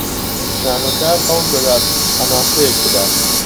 شانۆکار هەوڵ دەدات هەناسەیەک بدات